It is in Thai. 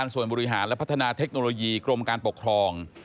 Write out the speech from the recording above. ส่วนบริหารและพัฒนาเทคโนโลยีกรมการปกครอง